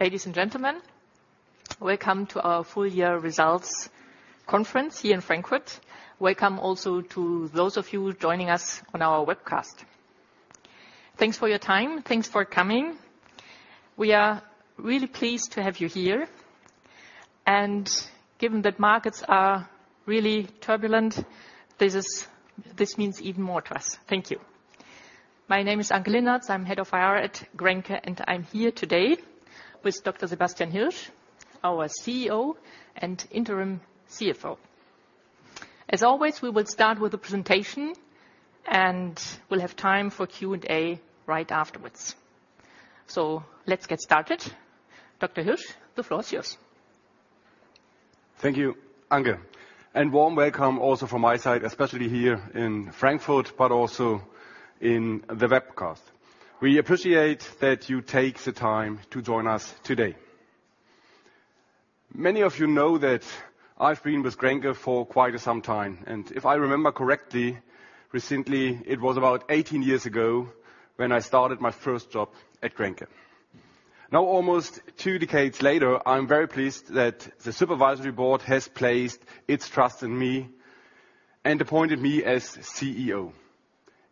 Ladies and gentlemen, welcome to our full year results conference here in Frankfurt. Welcome also to those of you joining us on our webcast. Thanks for your time. Thanks for coming. We are really pleased to have you here, and given that markets are really turbulent, this means even more to us. Thank you. My name is Anke Linnartz, I'm Head of IR at GRENKE, and I'm here today with Dr. Sebastian Hirsch, our CEO and interim CFO. As always, we will start with the presentation and we'll have time for Q&A right afterwards. Let's get started. Dr. Hirsch, the floor is yours. Thank you, Anke. Warm welcome also from my side, especially here in Frankfurt, but also in the webcast. We appreciate that you take the time to join us today. Many of you know that I've been with GRENKE for quite some time, and if I remember correctly, recently, it was about 18 years ago when I started my first job at GRENKE. Now, almost two decades later, I'm very pleased that the supervisory board has placed its trust in me and appointed me as CEO.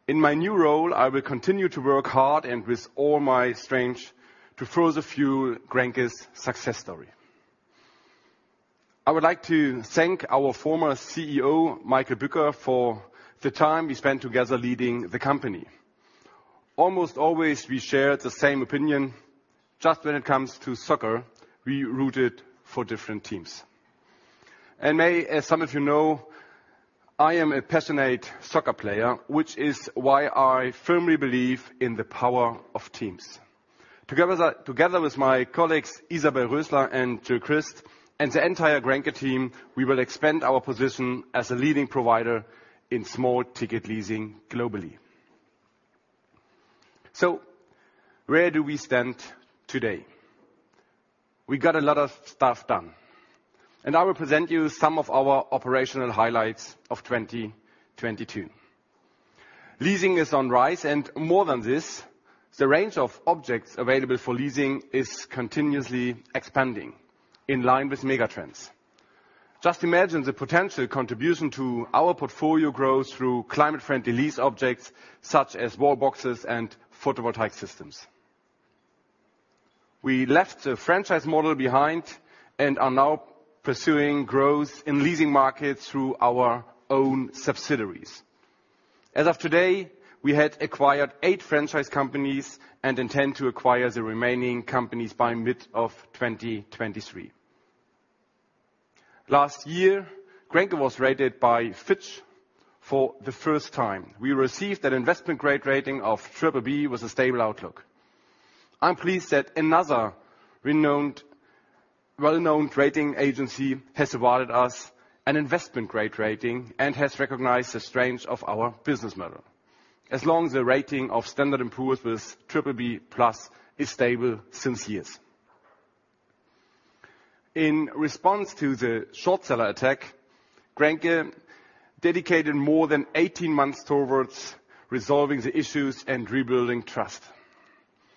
In my new role, I will continue to work hard and with all my strength to further fuel GRENKE's success story. I would like to thank our former CEO, Michael Bücker, for the time we spent together leading the company. Almost always, we shared the same opinion, just when it comes to soccer, we rooted for different teams. May, as some of you know, I am a passionate soccer player, which is why I firmly believe in the power of teams. Together with my colleagues, Isabel Rösler and Gilles Christ and the entire GRENKE team, we will expand our position as a leading provider in small ticket leasing globally. Where do we stand today? We got a lot of stuff done, and I will present you some of our operational highlights of 2022. Leasing is on rise, and more than this, the range of objects available for leasing is continuously expanding in line with mega trends. Just imagine the potential contribution to our portfolio growth through climate friendly lease objects such as wall boxes and photovoltaic systems. We left the franchise model behind and are now pursuing growth in leasing markets through our own subsidiaries. As of today, we had acquired eight franchise companies and intend to acquire the remaining companies by mid of 2023. Last year, GRENKE was rated by Fitch for the first time. We received that investment grade rating of BBB with a stable outlook. I'm pleased that another renowned, well-known rating agency has awarded us an investment grade rating and has recognized the strength of our business model. As long as the rating of Standard & Poor's with BBB+ is stable since years. In response to the short seller attack, GRENKE dedicated more than 18 months towards resolving the issues and rebuilding trust.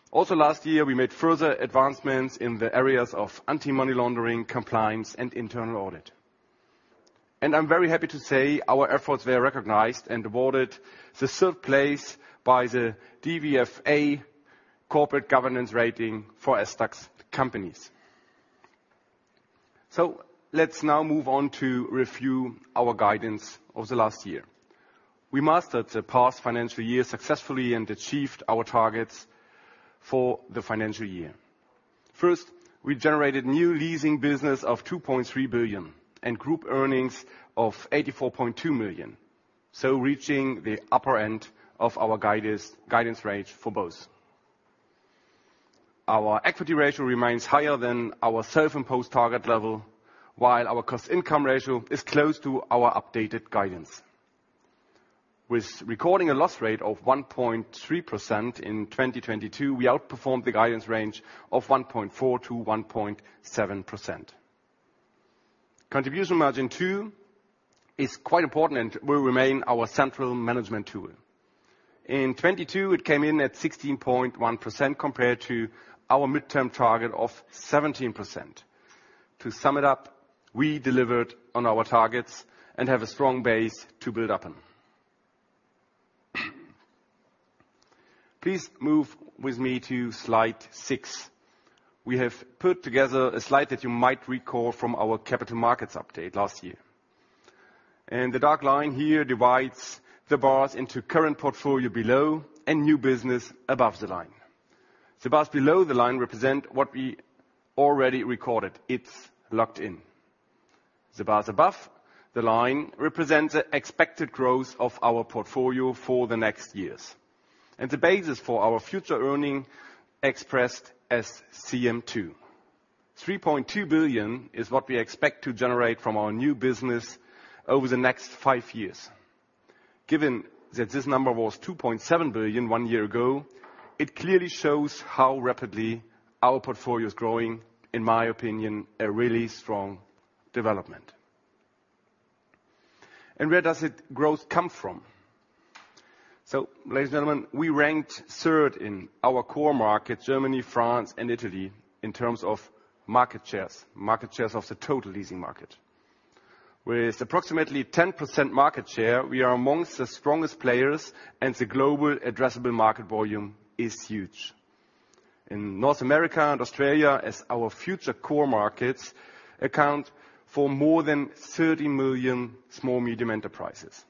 Also, last year, we made further advancements in the areas of anti-money laundering, compliance and internal audit. I'm very happy to say our efforts were recognized and awarded the third place by the DVFA Corporate Governance rating for SDAX companies. Let's now move on to review our guidance of the last year. We mastered the past financial year successfully and achieved our targets for the financial year. First, we generated new leasing business of 2.3 billion and group earnings of 84.2 million, so reaching the upper end of our guidance range for both. Our equity ratio remains higher than our self-imposed target level, while our cost income ratio is close to our updated guidance. With recording a loss rate of 1.3% in 2022, we outperformed the guidance range of 1.4%-1.7%. Contribution margin, too, is quite important and will remain our central management tool. In 2022, it came in at 16.1% compared to our midterm target of 17%. To sum it up, we delivered on our targets and have a strong base to build upon. Please move with me to slide six. The dark line here divides the bars into current portfolio below and new business above the line. The bars below the line represent what we already recorded. It's locked in. The bars above the line represents the expected growth of our portfolio for the next years and the basis for our future earning expressed as CM2. 3.2 billion is what we expect to generate from our new business over the next five years. Given that this number was 2.7 billion 1 year ago, it clearly shows how rapidly our portfolio is growing. In my opinion, a really strong development. Where does it growth come from? Ladies and gentlemen, we ranked third in our core market, Germany, France and Italy, in terms of market shares. Market shares of the total leasing market. With approximately 10% market share, we are amongst the strongest players, and the global addressable market volume is huge. In North America and Australia, as our future core markets account for more than 30 million small medium enterprises.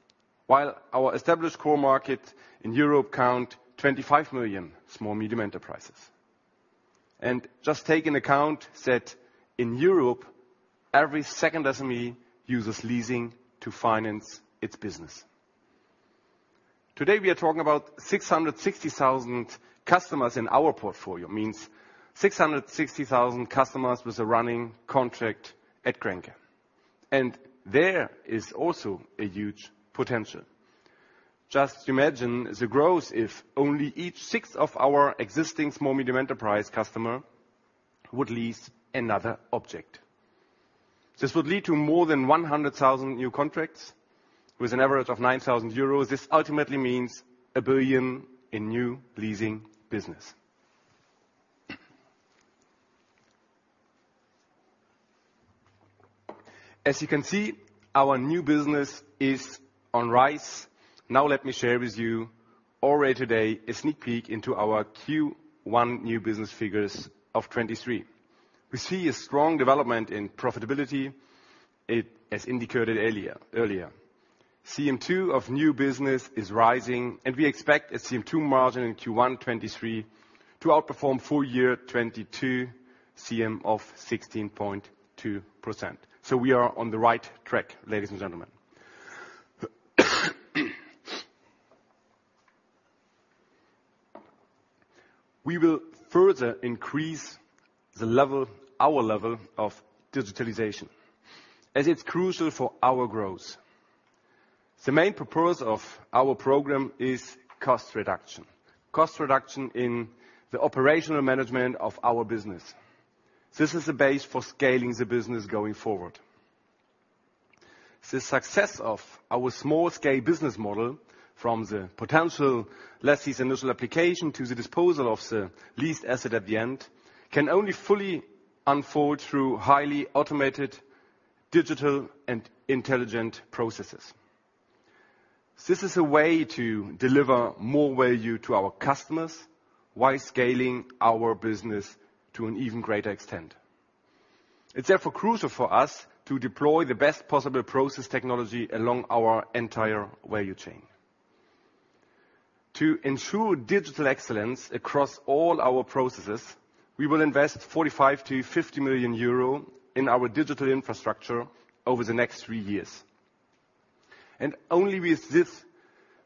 While our established core market in Europe count 25 million small medium enterprises. Just take in account that in Europe, every second SME uses leasing to finance its business. Today we are talking about 660,000 customers in our portfolio. Means 660,000 customers with a running contract at GRENKE. There is also a huge potential. Just imagine the growth if only each six of our existing small medium enterprise customer would lease another object. This would lead to more than 100,000 new contracts with an average of 9,000 euros. This ultimately means 1 billion in new leasing business. As you can see, our new business is on rise. Let me share with you already today a sneak peek into our Q1 new business figures of 2023. We see a strong development in profitability as indicated earlier. CM2 of new business is rising and we expect a CM2 margin in Q1 2023 to outperform full year 2022 CM of 16.2%. We are on the right track, ladies and gentlemen. We will further increase our level of digitalization as it's crucial for our growth. The main purpose of our program is cost reduction. Cost reduction in the operational management of our business. This is the base for scaling the business going forward. The success of our small-scale business model from the potential lessee's initial application to the disposal of the leased asset at the end, can only fully unfold through highly automated digital and intelligent processes. This is a way to deliver more value to our customers while scaling our business to an even greater extent. It's therefore crucial for us to deploy the best possible process technology along our entire value chain. To ensure digital excellence across all our processes, we will invest 45 million-50 million euro in our digital infrastructure over the next three years. Only with this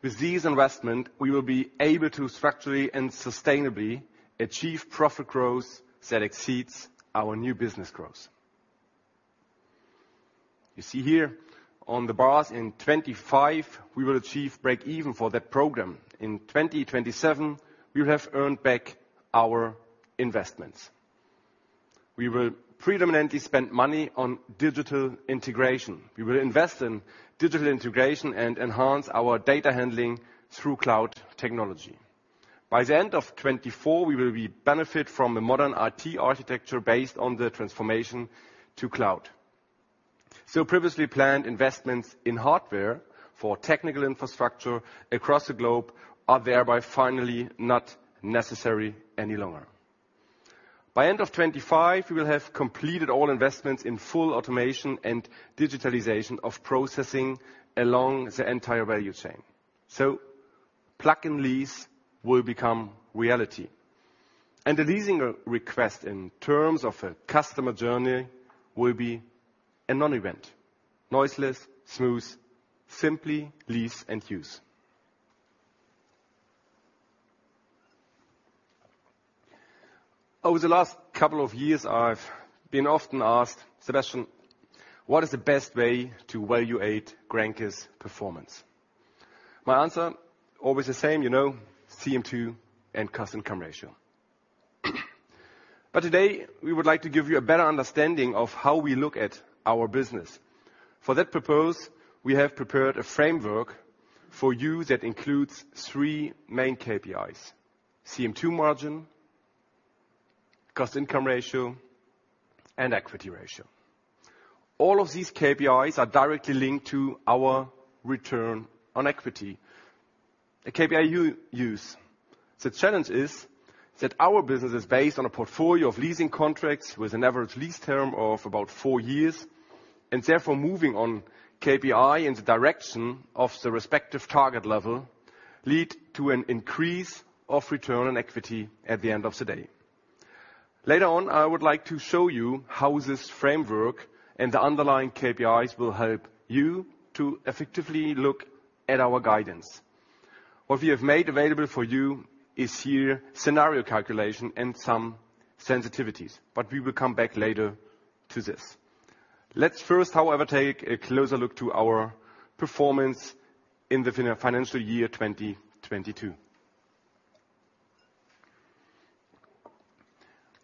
investment, we will be able to structurally and sustainably achieve profit growth that exceeds our new business growth. You see here on the bars in 2025, we will achieve break-even for that program. In 2027, we will have earned back our investments. We will predominantly spend money on digital integration. We will invest in digital integration and enhance our data handling through cloud technology. By the end of 2024, we will be benefit from a modern IT architecture based on the transformation to cloud. Previously planned investments in hardware for technical infrastructure across the globe are thereby finally not necessary any longer. By end of 2025, we will have completed all investments in full automation and digitalization of processing along the entire value chain. Plug and lease will become reality. The leasing request in terms of a customer journey will be a non-event. Noiseless, smooth, simply lease and use. Over the last couple of years I've been often asked, "Sebastian, what is the best way to evaluate GRENKE's performance?" My answer, always the same, you know, CM2 and cost income ratio. Today we would like to give you a better understanding of how we look at our business. For that purpose, we have prepared a framework for you that includes three main KPIs: CM2 margin, cost income ratio, and equity ratio. All of these KPIs are directly linked to our return on equity. The KPI you use. The challenge is that our business is based on a portfolio of leasing contracts with an average lease term of about four years. Therefore, moving on KPI in the direction of the respective target level lead to an increase of return on equity at the end of the day. Later on, I would like to show you how this framework and the underlying KPIs will help you to effectively look at our guidance. What we have made available for you is here scenario calculation and some sensitivities, but we will come back later to this. Let's first, however, take a closer look to our performance in the financial year 2022.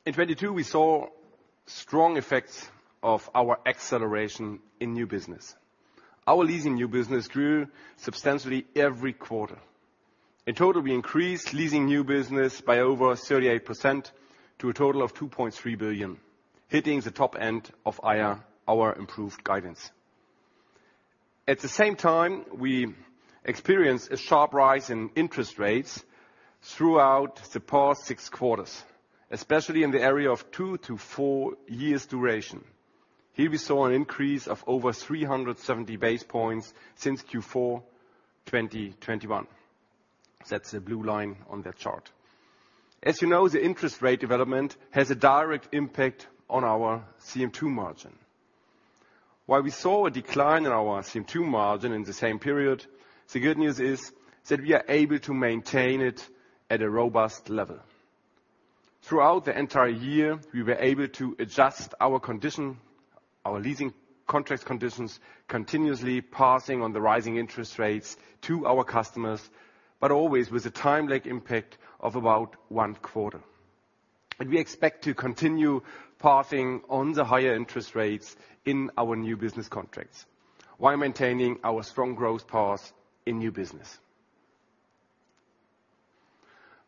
In 2022, we saw strong effects of our acceleration in new business. Our leasing new business grew substantially every quarter. In total, we increased leasing new business by over 38% to a total of 2.3 billion, hitting the top end of our improved guidance. At the same time, we experienced a sharp rise in interest rates throughout the past six quarters, especially in the area of two to four years duration. Here we saw an increase of over 370 basis points since Q4, 2021. That's the blue line on that chart. As you know, the interest rate development has a direct impact on our CM2 margin. While we saw a decline in our CM2 margin in the same period, the good news is that we are able to maintain it at a robust level. Throughout the entire year, we were able to adjust our leasing contract conditions continuously passing on the rising interest rates to our customers, but always with a time lag impact of about one quarter. We expect to continue passing on the higher interest rates in our new business contracts while maintaining our strong growth path in new business.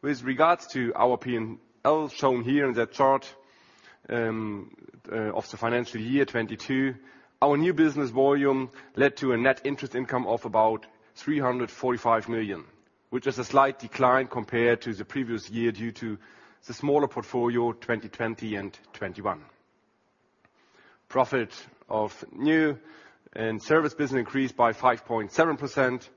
With regards to our P&L shown here in that chart, of the financial year 2022, our new business volume led to a net interest income of about 345 million, which is a slight decline compared to the previous year due to the smaller portfolio, 2020 and 2021. Profit of new and service business increased by 5.7%.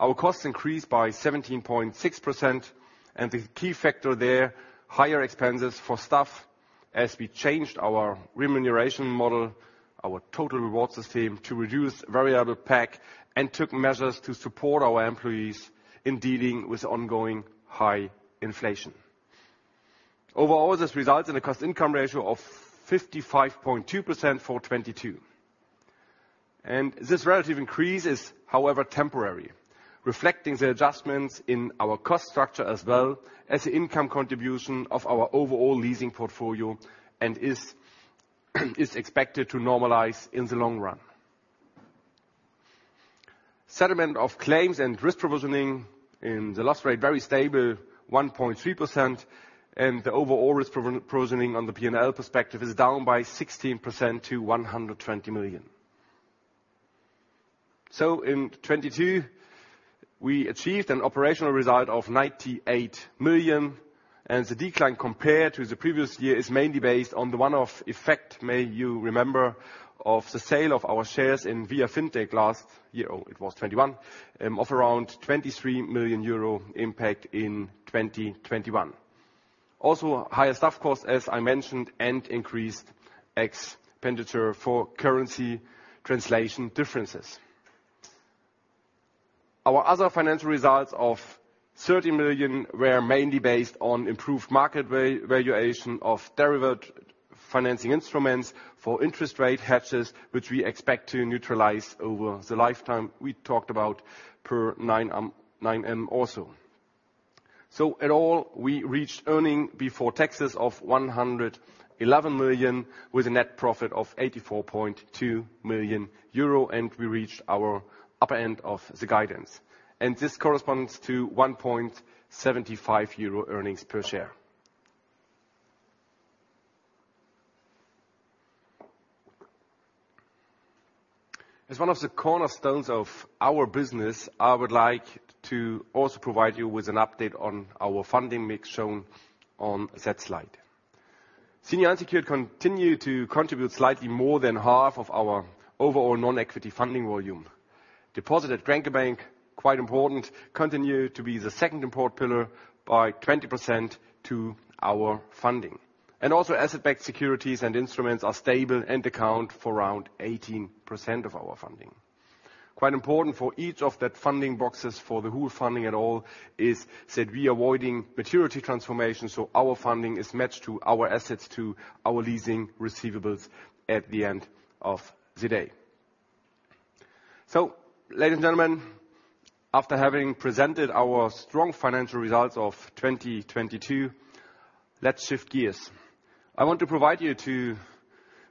Our costs increased by 17.6% and the key factor there, higher expenses for staff as we changed our remuneration model, our total reward system to reduce variable pay and took measures to support our employees in dealing with ongoing high inflation. Overall, this results in a cost income ratio of 55.2% for 2022. This relative increase is, however, temporary, reflecting the adjustments in our cost structure as well as the income contribution of our overall leasing portfolio and is expected to normalize in the long run. Settlement of claims and risk provisioning in the loss rate, very stable, 1.3%, and the overall risk provisioning on the P&L perspective is down by 16% to 120 million. In 2022, we achieved an operational result of 98 million, and the decline compared to the previous year is mainly based on the one-off effect, may you remember, of the sale of our shares in viafintech last year. Oh, it was 2021, of around 23 million euro impact in 2021. Higher staff costs, as I mentioned, and increased expenditure for currency translation differences. Our other financial results of 30 million were mainly based on improved market valuation of derivative financing instruments for interest rate hedges, which we expect to neutralize over the lifetime we talked about per 9 million also. In all, we reached earning before taxes of 111 million, with a net profit of 84.2 million euro, and we reached our upper end of the guidance. This corresponds to 1.75 euro earnings per share. As one of the cornerstones of our business, I would like to also provide you with an update on our funding mix shown on that slide. Senior unsecured continued to contribute slightly more than half of our overall non-equity funding volume. Deposit at GRENKE Bank, quite important, continued to be the second important pillar by 20% to our funding. Also asset-backed securities and instruments are stable and account for around 18% of our funding. Quite important for each of the funding boxes for the whole funding and all is that we are avoiding maturity transformation, so our funding is matched to our assets, to our leasing receivables at the end of the day. Ladies and gentlemen, after having presented our strong financial results of 2022, let's shift gears. I want to provide you to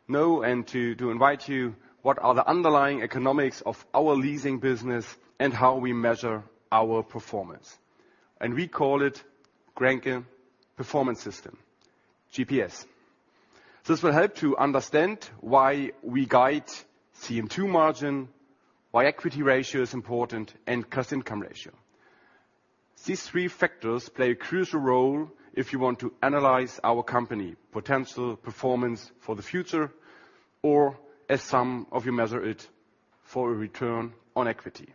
know and to invite you what are the underlying economics of our leasing business and how we measure our performance. We call it GRENKE Performance System, GPS. This will help to understand why we guide CM2 margin, why equity ratio is important, and cost income ratio. These three factors play a crucial role if you want to analyze our company potential performance for the future, or as some of you measure it, for a return on equity.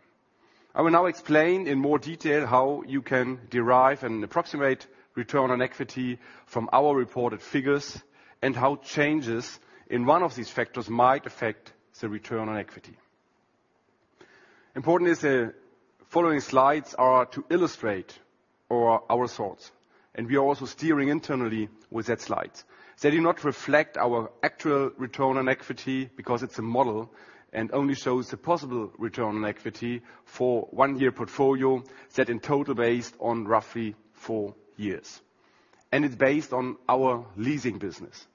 I will now explain in more detail how you can derive an approximate return on equity from our reported figures and how changes in one of these factors might affect the return on equity. Important is the following slides are to illustrate or our thoughts, and we are also steering internally with that slide. They do not reflect our actual return on equity because it's a model and only shows the possible return on equity for one year portfolio set in total based on roughly four years, and it's based on our leasing business.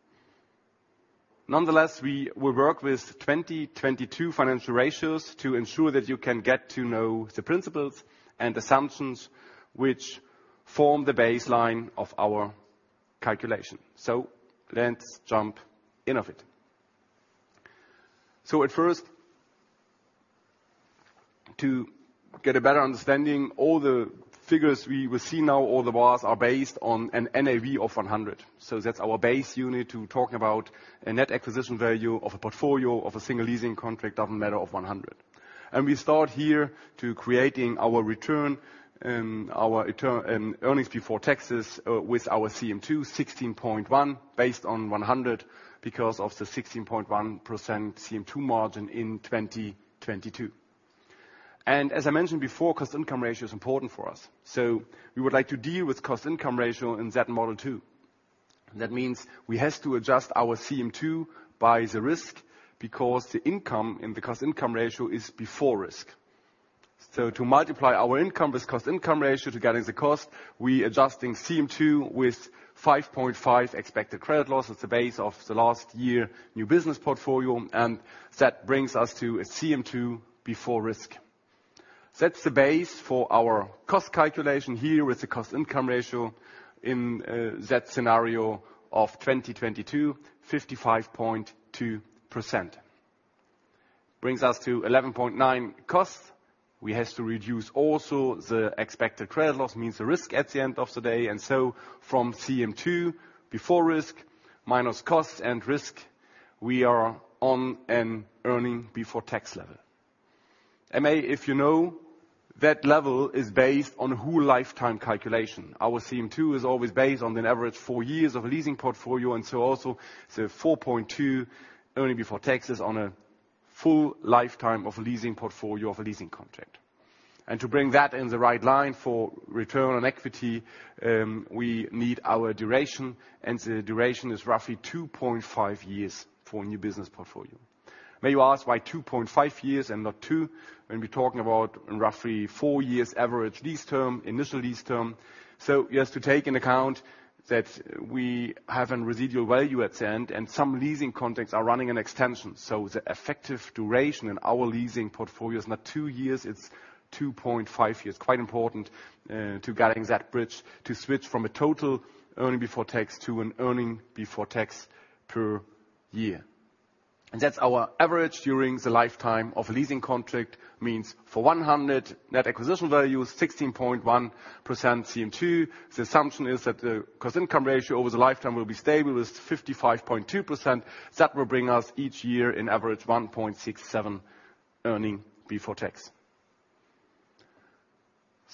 Nonetheless, we will work with 2022 financial ratios to ensure that you can get to know the principles and assumptions which form the baseline of our calculation. Let's jump in of it. At first, to get a better understanding, all the figures we will see now, all the bars are based on an NAV of 100. That's our base unit to talk about a net acquisition value of a portfolio of a single leasing contract, doesn't matter, of 100. We start here to creating our return and earnings before taxes, with our CM2 16.1 based on 100 because of the 16.1% CM2 margin in 2022. As I mentioned before, cost income ratio is important for us. We would like to deal with cost income ratio in that model too. That means we have to adjust our CM2 by the risk because the income in the cost-income ratio is before risk. To multiply our income with cost-income ratio together the cost, we adjusting CM2 with 5.5 expected credit loss. It's the base of the last year new business portfolio, that brings us to a CM2 before risk. That's the base for our cost calculation here with the cost-income ratio in that scenario of 2022, 55.2%. Brings us to 11.9 costs. We have to reduce also the expected credit loss, means the risk at the end of the day. From CM2 before risk minus cost and risk, we are on an earning before tax level. MA, if you know, that level is based on whole lifetime calculation. Our CM2 is always based on an average four years of leasing portfolio, also the 4.2 earning before taxes on a full lifetime of leasing portfolio of a leasing contract. To bring that in the right line for return on equity, we need our duration, and the duration is roughly 2.5 years for a new business portfolio. May you ask why 2.5 years and not two when we're talking about roughly four years average lease term, initial lease term. You have to take in account that we have a residual value at the end and some leasing contracts are running an extension. The effective duration in our leasing portfolio is not two years, it's 2.5 years. Quite important to getting that bridge to switch from a total earning before tax to an earning before tax per year. That's our average during the lifetime of a leasing contract. Means for 100 net acquisition values, 16.1% CM2. The assumption is that the cost-income ratio over the lifetime will be stable with 55.2%. That will bring us each year in average 1.67 earning before tax.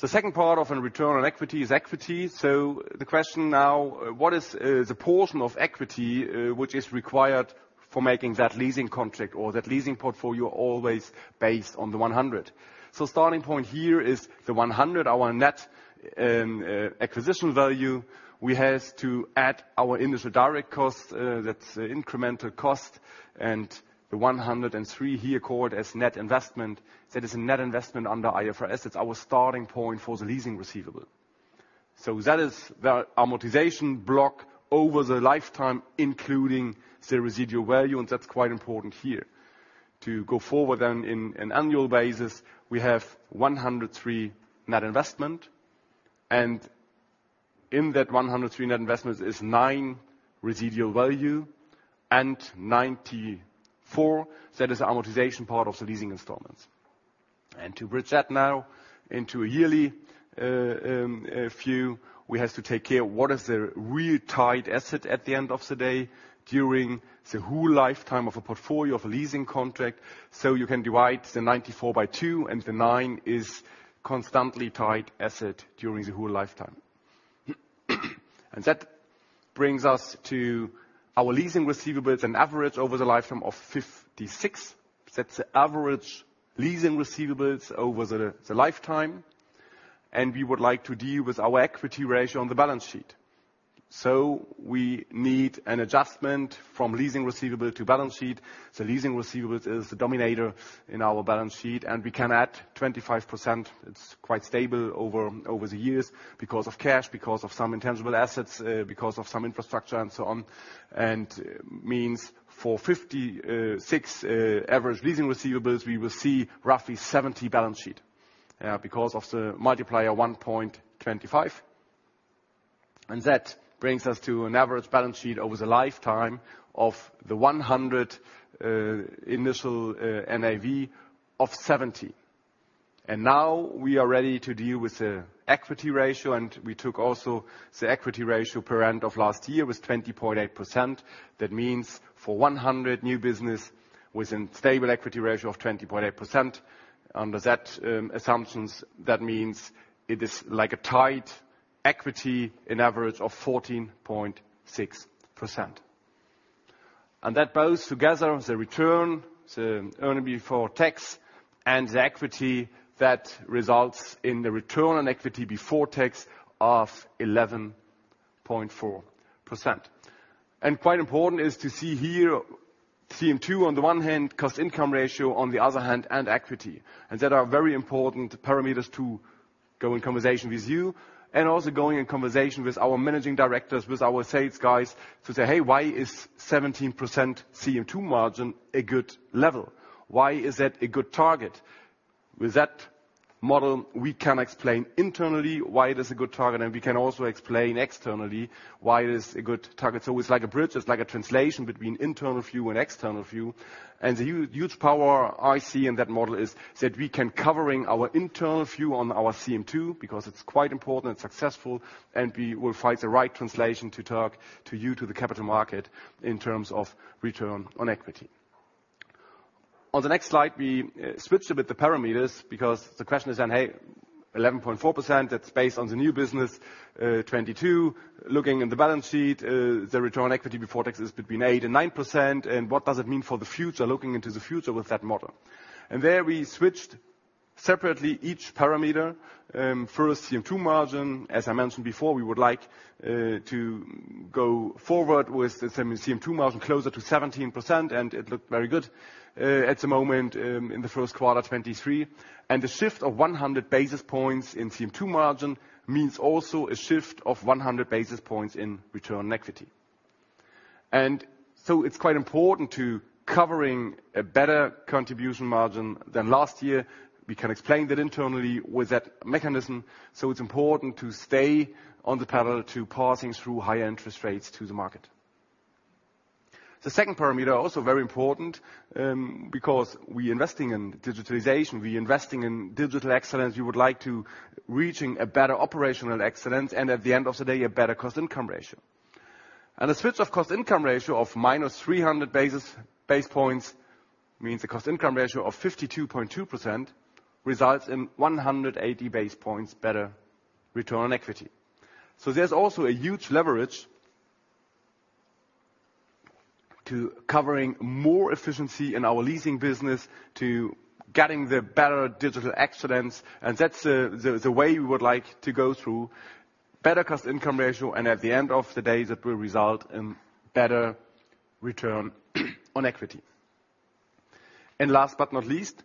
The second part of a return on equity is equity. The question now, what is the portion of equity which is required for making that leasing contract or that leasing portfolio always based on the 100? Starting point here is the 100, our net acquisition value. We have to add our initial direct cost, that's the incremental cost and the 103 here called as net investment. That is a net investment under IFRS. It's our starting point for the leasing receivable. That is the amortization block over the lifetime, including the residual value, and that's quite important here. To go forward in an annual basis, we have 103 net investment and in that 103 net investment is 9 residual value and 94, that is the amortization part of the leasing installments. To bridge that now into a yearly view, we have to take care of what is the real tied asset at the end of the day during the whole lifetime of a portfolio of a leasing contract. You can divide the 94 by two and the nine is constantly tied asset during the whole lifetime. That brings us to our leasing receivables an average over the lifetime of 56. That's the average leasing receivables over the lifetime. We would like to deal with our equity ratio on the balance sheet. We need an adjustment from leasing receivable to balance sheet. The leasing receivable is the dominator in our balance sheet, and we can add 25%. It's quite stable over the years because of cash, because of some intangible assets, because of some infrastructure and so on. Means for 56 average leasing receivables, we will see roughly 70 balance sheet because of the multiplier 1.25. That brings us to an average balance sheet over the lifetime of the 100 initial NAV of 70. Now we are ready to deal with the equity ratio, and we took also the equity ratio per end of last year was 20.8%. That means for 100 new business within stable equity ratio of 20.8%. Under that assumptions, that means it is like a tied equity in average of 14.6%. That both together the return, the earning before tax and the equity that results in the return on equity before tax of 11.4%. Quite important is to see here CM2, on the one hand, cost income ratio on the other hand and equity. That are very important parameters to go in conversation with you and also going in conversation with our managing directors, with our sales guys to say, "Hey, why is 17% CM2 margin a good level? Why is that a good target?" With that model we can explain internally why it is a good target, and we can also explain externally why it is a good target. It's like a bridge. It's like a translation between internal view and external view. The huge power I see in that model is that we can covering our internal view on our CM2 because it's quite important and successful, and we will find the right translation to talk to you, to the capital market in terms of return on equity. On the next slide, we switch a bit the parameters because the question is then, "Hey, 11.4%, that's based on the new business, 2022. Looking in the balance sheet, the return on equity before tax is between 8% and 9%, what does it mean for the future? Looking into the future with that model." There we switched separately each parameter, first CM2 margin. As I mentioned before, we would like to go forward with the CM2 margin closer to 17%, and it looked very good at the moment in the first quarter 2023. The shift of 100 basis points in CM2 margin means also a shift of 100 basis points in return on equity. It's quite important to covering a better contribution margin than last year. We can explain that internally with that mechanism, so it's important to stay on the pedal to passing through higher interest rates to the market. The second parameter also very important, because we investing in digitalization, we investing in digital excellence. We would like to reaching a better operational excellence and at the end of the day, a better cost-income ratio. The switch of cost-income ratio of minus 300 basis, base points means a cost-income ratio of 52.2% results in 180 basis points better return on equity. There's also a huge leverage to covering more efficiency in our leasing business to getting the better digital excellence, and that's the way we would like to go through better cost-income ratio and at the end of the day, that will result in better return on equity. Last but not least,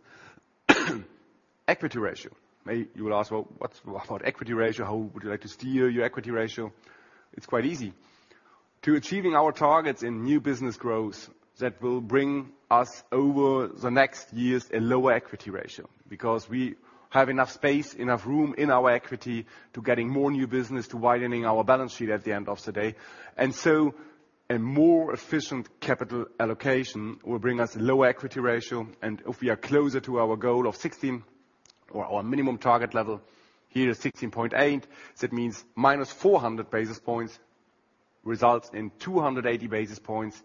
equity ratio. You will ask, "Well, what's about equity ratio? How would you like to steer your equity ratio?" It's quite easy. To achieving our targets in new business growth that will bring us over the next years a lower equity ratio because we have enough space, enough room in our equity to getting more new business, to widening our balance sheet at the end of the day. A more efficient capital allocation will bring us lower equity ratio. If we are closer to our goal of 16 or our minimum target level here is 16.8, that means minus 400 basis points results in 280 basis points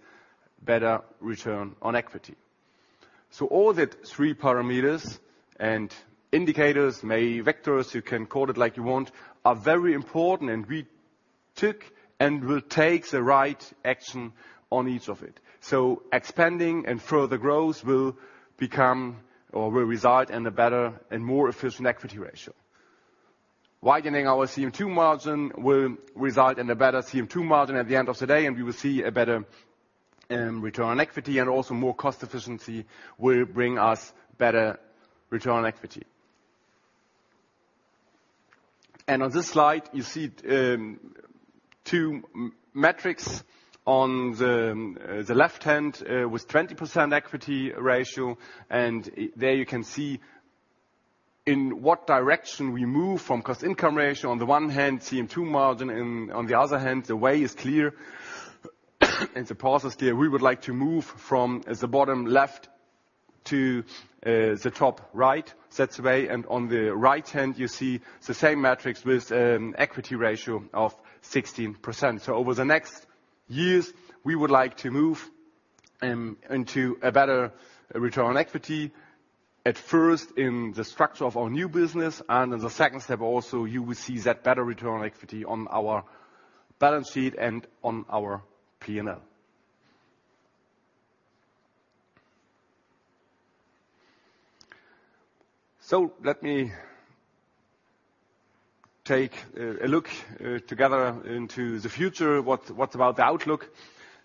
better return on equity. All that three parameters and indicators, may vectors, you can call it like you want, are very important and we took and will take the right action on each of it. Expanding and further growth will become or will result in a better and more efficient equity ratio. Widening our CM2 margin will result in a better CM2 margin at the end of the day, and we will see a better return on equity and also more cost efficiency will bring us better return on equity. On this slide you see two metrics on the left hand, with 20% equity ratio, and there you can see in what direction we move from cost-income ratio. On the one hand CM2 margin, on the other hand, the way is clear and the process clear. We would like to move from the bottom left to the top right. That way. On the right hand you see the same metrics with equity ratio of 16%. Over the next years we would like to move into a better return on equity. At first in the structure of our new business and in the second step also you will see that better return on equity on our balance sheet and on our P&L. Let me take a look together into the future. What about the outlook?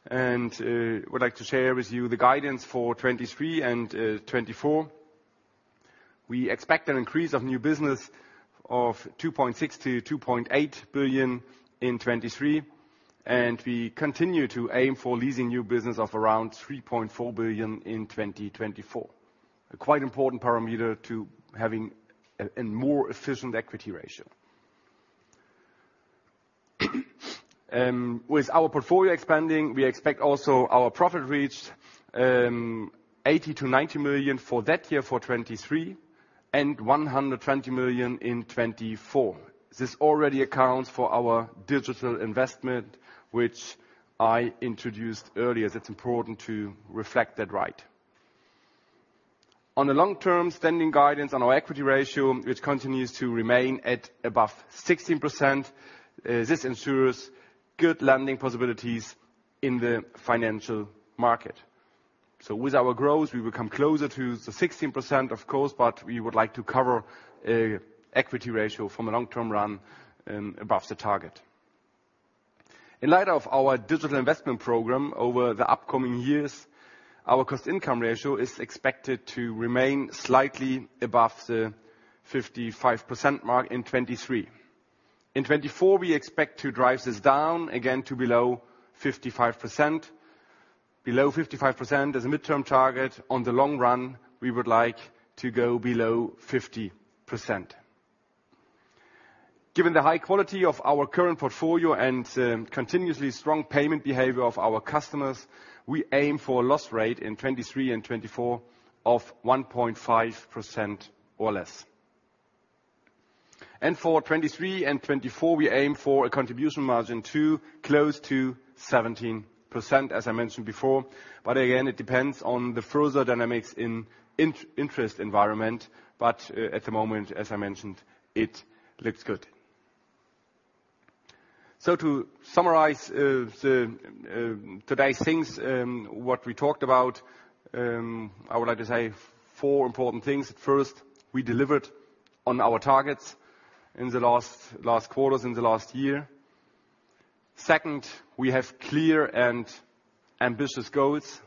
Would like to share with you the guidance for 2023 and 2024. We expect an increase of new business of 2.6 billion-2.8 billion in 2023, and we continue to aim for leasing new business of around 3.4 billion in 2024. A quite important parameter to having a more efficient equity ratio. With our portfolio expanding, we expect also our profit reach, 80 million-90 million for that year, for 2023 and 120 million in 2024. This already accounts for our digital investment, which I introduced earlier, that's important to reflect that right. On the long term standing guidance on our equity ratio, it continues to remain at above 16%. This ensures good lending possibilities in the financial market. With our growth, we will come closer to the 16%, of course, but we would like to cover, equity ratio from a long-term run and above the target. In light of our digital investment program over the upcoming years, our cost income ratio is expected to remain slightly above the 55% mark in 2023. In 2024, we expect to drive this down again to below 55%. Below 55% as a midterm target. On the long run, we would like to go below 50%. Given the high quality of our current portfolio and continuously strong payment behavior of our customers, we aim for a loss rate in 2023 and 2024 of 1.5% or less. For 2023 and 2024, we aim for a contribution margin to close to 17%, as I mentioned before. Again, it depends on the further dynamics in interest environment. At the moment, as I mentioned, it looks good. To summarize the today's things what we talked about, I would like to say four important things. First, we delivered on our targets in the last quarters, in the last year. Second, we have clear and ambitious goals.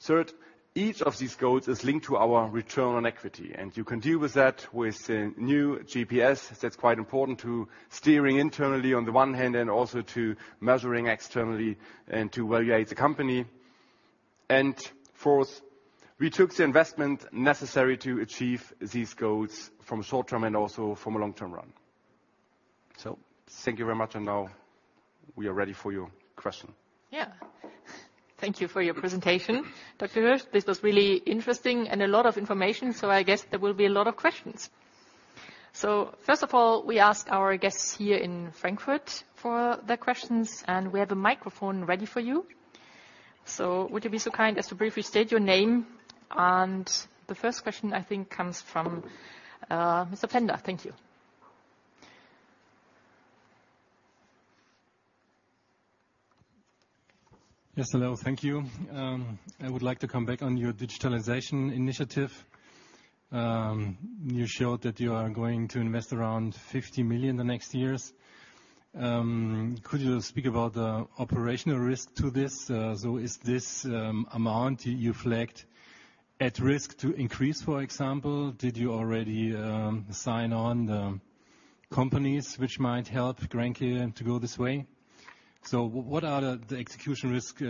Third, each of these goals is linked to our return on equity, and you can deal with that with a new GPS. That's quite important to steering internally on the one hand, and also to measuring externally and to evaluate the company. Fourth, we took the investment necessary to achieve these goals from short-term and also from a long-term run. Thank you very much. Now we are ready for your question. Yeah. Thank you for your presentation, Dr. Hirsch. This was really interesting and a lot of information, I guess there will be a lot of questions. First of all, we asked our guests here in Frankfurt for their questions, and we have a microphone ready for you. Would you be so kind as to briefly state your name? The first question, I think, comes from Mr. Pfänder. Thank you. Yes, hello. Thank you. I would like to come back on your digitalization initiative. You showed that you are going to invest around 50 million in the next years. Could you speak about the operational risk to this? Is this amount you flagged at risk to increase? For example, did you already sign on the companies which might help GRENKE to go this way? What are the execution risk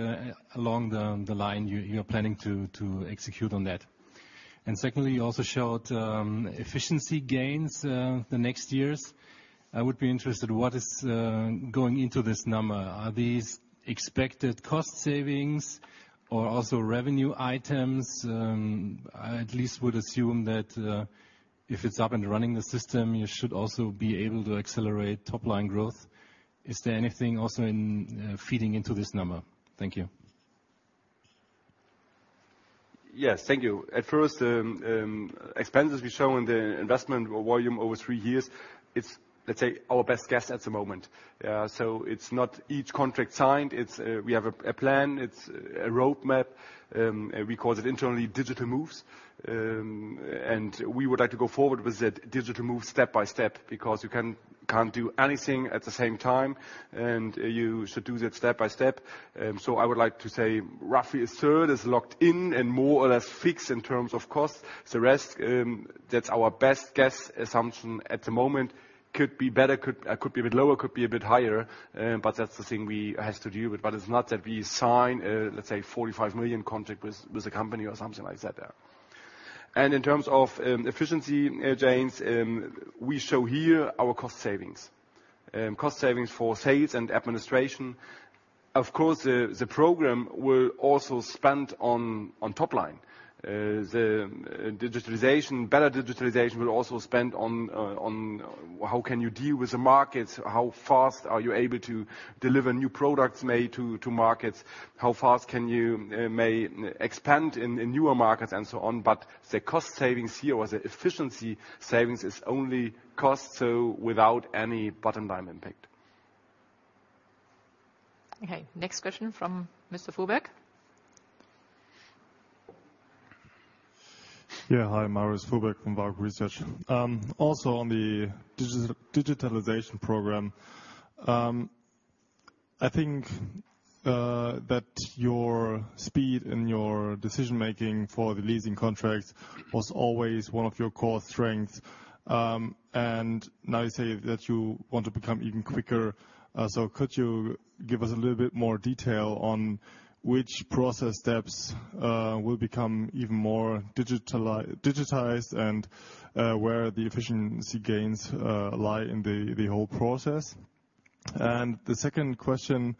along the line you're planning to execute on that? Secondly, you also showed efficiency gains the next years. I would be interested, what is going into this number? Are these expected cost savings or also revenue items? I at least would assume that if it's up and running the system, you should also be able to accelerate top-line growth. Is there anything also in feeding into this number? Thank you. Yes. Thank you. At first, expenses we show in the investment volume over three years. It's let's say, our best guess at the moment. So it's not each contract signed. It's, we have a plan. It's a roadmap. We call it internally digital moves. We would like to go forward with that digital move step by step because you can't do anything at the same time, and you should do that step by step. I would like to say roughly a third is locked in and more or less fixed in terms of cost. The rest, that's our best guess assumption at the moment. Could be better, could be a bit lower, could be a bit higher. That's the thing we have to deal with. It's not that we sign, let's say 45 million contract with a company or something like that. In terms of efficiency, James, we show here our cost savings. Cost savings for sales and administration. Of course, the program will also spend on top line. The digitalization, better digitalization will also spend on how can you deal with the markets? How fast are you able to deliver new products made to markets? How fast can you may expand in newer markets and so on. The cost savings here or the efficiency savings is only cost, so without any bottom line impact. Okay. Next question from Mr. Fuhrberg. Yeah. Hi. Marius Fuhrberg from Berenberg. Also on the digitalization program, I think that your speed and your decision-making for the leasing contracts was always one of your core strengths. Now you say that you want to become even quicker. Could you give us a little bit more detail on which process steps will become even more digitized and where the efficiency gains lie in the whole process? The second question,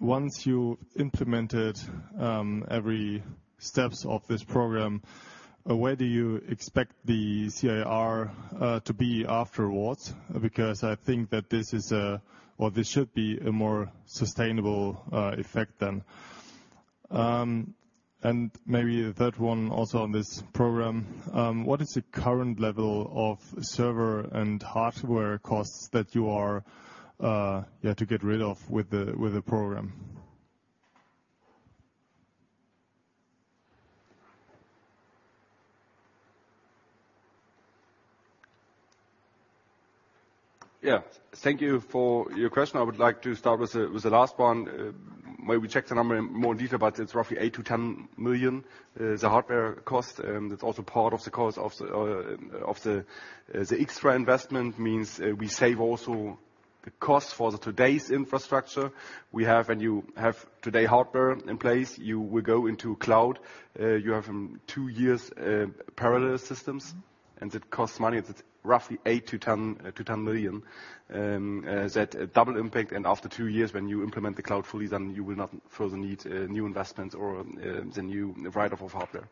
once you implemented every steps of this program. Where do you expect the CIR to be afterwards? Because I think that this is or this should be a more sustainable effect then. Maybe the third one also on this program, what is the current level of server and hardware costs that you have to get rid of with the program? Thank you for your question. I would like to start with the last one. May we check the number in more detail, but it's roughly 8 million-10 million. The hardware cost, it's also part of the cost of the extra investment. Means we save also the cost for the today's infrastructure. We have today hardware in place. You will go into cloud. You have two years parallel systems. It costs money. It's roughly 8 million-10 million. That double impact and after two years when you implement the cloud fully, then you will not further need new investments or the new write-off of hardware.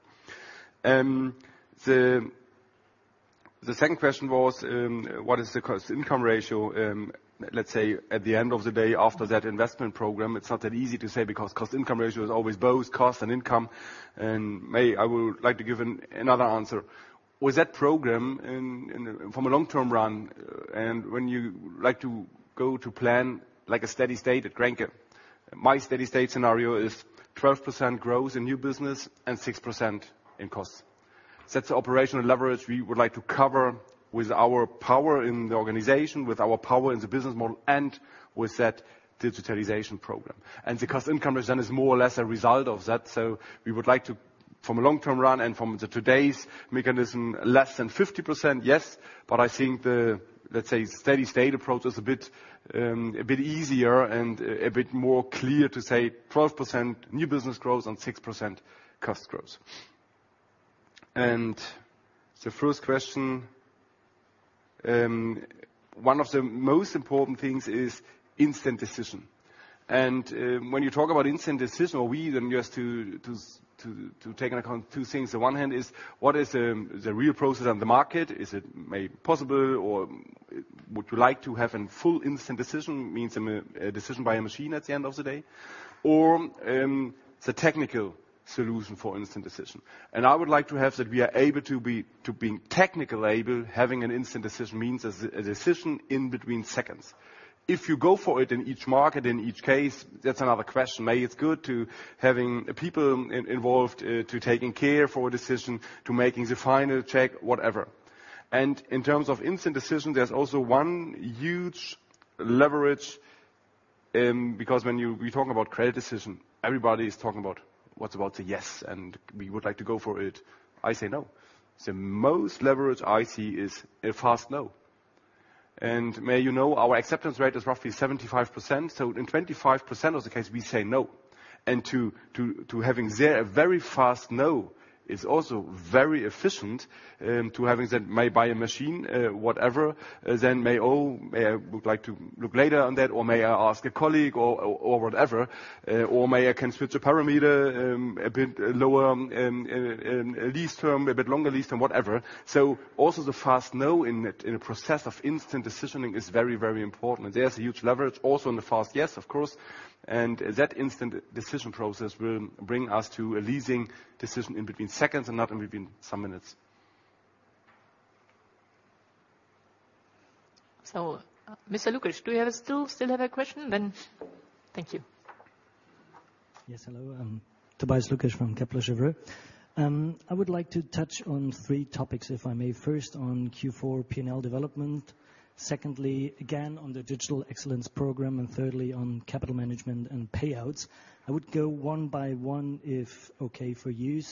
The second question was, what is the cost income ratio, let's say at the end of the day after that investment program? It's not that easy to say because cost income ratio is always both cost and income. May I would like to give another answer. With that program from a long-term run and when you like to go to plan like a steady state at GRENKE, my steady state scenario is 12% growth in new business and 6% in costs. That's the operational leverage we would like to cover with our power in the organization, with our power in the business model, and with that digitalization program. The cost income ratio then is more or less a result of that. We would like to from a long-term run and from the today's mechanism, less than 50%, yes. I think the, let's say, steady state approach is a bit easier and a bit more clear to say 12% new business growth and 6% cost growth. The first question, one of the most important things is instant decision. When you talk about instant decision or we then just to take into account two things. The one hand is what is the real process on the market? Is it made possible or would you like to have in full instant decision, means a decision by a machine at the end of the day? The technical solution for instant decision. I would like to have that we are able to be technically able, having an instant decision means a decision in between seconds. If you go for it in each market, in each case, that's another question. Maybe it's good to having people involved to taking care for a decision, to making the final check, whatever. In terms of instant decision, there's also one huge leverage because when we talk about credit decision, everybody is talking about what about the yes and we would like to go for it. I say no. The most leverage I see is a fast no. May you know, our acceptance rate is roughly 75%, so in 25% of the case we say no. To having a very fast no is also very efficient, to having that made by a machine, whatever, then may I would like to look later on that, or may I ask a colleague or whatever, or may I can switch a parameter a bit lower, a lease term, a bit longer lease term, whatever. Also the fast no in the process of instant decisioning is very, very important. There's a huge leverage also in the fast yes, of course, and that instant decision process will bring us to a leasing decision in between seconds and not in between some minutes. Mr. Lukesch, do you still have a question then? Thank you. Yes. Hello. Tobias Lukesch from Kepler Cheuvreux. I would like to touch on three topics, if I may. First, on Q4 P&L development. Secondly, again, on the digital excellence program. Thirdly, on capital management and payouts. I would go one by one if okay for you.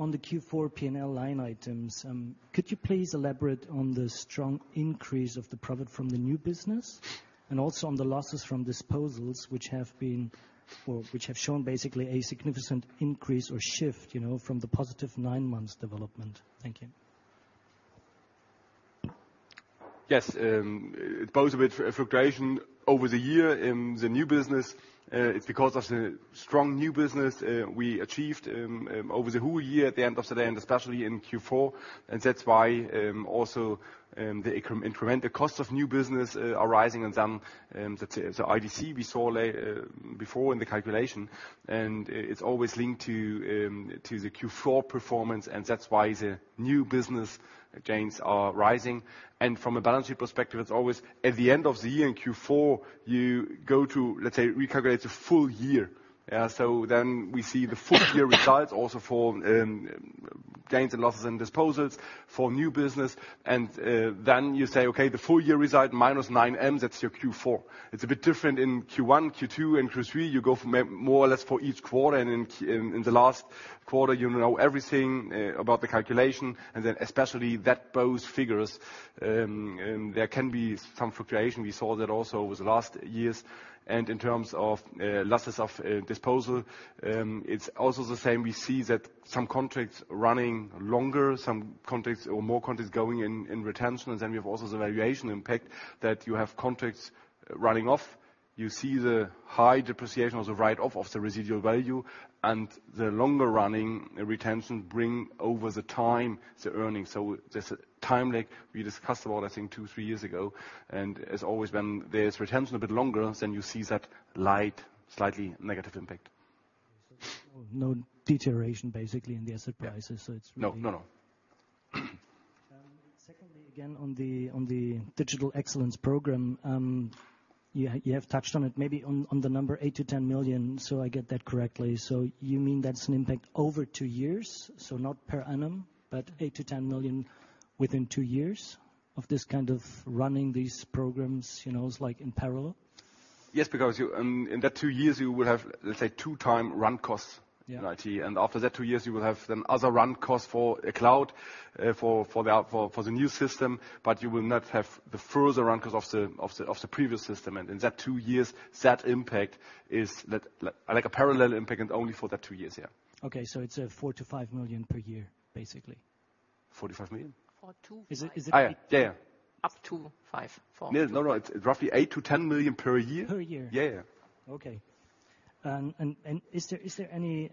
On the Q4 P&L line items, could you please elaborate on the strong increase of the profit from the new business and also on the losses from disposals which have been or which have shown basically a significant increase or shift, you know, from the positive nine months development. Thank you. Yes, both a bit fluctuation over the year in the new business. It's because of the strong new business we achieved over the whole year at the end of the day, especially in Q4, and that's why also the increment, the cost of new business arising and then the IDC we saw lay before in the calculation, and it's always linked to the Q4 performance, and that's why the new business gains are rising. From a balance sheet perspective, it's always at the end of the year in Q4, you go to, let's say, recalculate the full year. We see the full year results also for gains and losses and disposals for new business. You say, okay, the full year result minus 9 million, that's your Q4. It's a bit different in Q1, Q2 and Q3. You go for more or less for each quarter. In the last quarter, you know everything about the calculation, then especially that both figures, there can be some fluctuation. We saw that also over the last years. In terms of losses of disposal, it's also the same. We see that some contracts running longer, some contracts or more contracts going in retention. Then we have also the valuation impact that you have contracts running off. You see the high depreciation of the write-off of the residual value, the longer running retention bring over the time the earnings. There's a time lag we discussed about, I think, two-three years ago. As always, when there's retention a bit longer, then you see that light slightly negative impact. No deterioration basically in the asset prices? No, no. Secondly, again, on the digital excellence program, you have touched on it maybe on the number 8 million-10 million. I get that correctly? You mean that's an impact over two years, not per annum, but 8 million-10 million within two years of this kind of running these programs, you know, it's like in parallel? Yes, because in that two years you will have, let's say, two time run costs. Yeah. In IT. After that two years you will have then other run costs for a cloud, for the new system, but you will not have the further run costs of the previous system. In that two years, that impact is like a parallel impact and only for that two years, yeah. Okay. It's a 4 million-5 million per year, basically. 45 million? Four to five. Is it- Yeah, yeah. Up to five, four. No, no. It's roughly 8 million-10 million per year. Per year. Yeah, yeah. Okay. Is there any